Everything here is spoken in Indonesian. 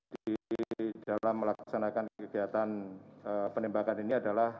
di dalam melaksanakan kegiatan penembakan ini adalah